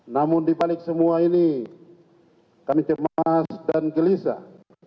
namun dibalik semua ini kami cemas dan gelisah